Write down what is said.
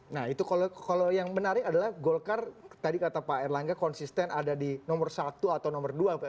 nah itu kalau yang menarik adalah golkar tadi kata pak erlangga konsisten ada di nomor satu atau nomor dua